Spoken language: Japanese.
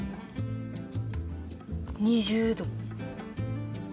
２０度。